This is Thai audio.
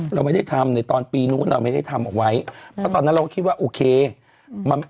เราไม่ได้ทำในตอนปีนู้นเราไม่ได้ทำเอาไว้เพราะตอนนั้นเราก็คิดว่าโอเคอืมมัน